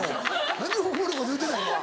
何にもおもろいこと言うてないわ。